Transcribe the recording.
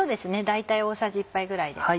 大体大さじ１杯ぐらいで。